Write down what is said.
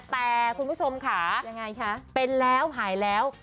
แต่คุณผู้ชมค่ะเป็นแล้วหายแล้ว